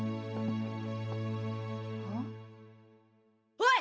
おい！